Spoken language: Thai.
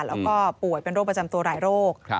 แล้วก็ป่วยเป็นโรคประจำตัวหลายโรค